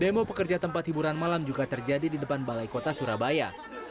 demo pekerja tempat hiburan malam juga terjadi di depan balai kota surabaya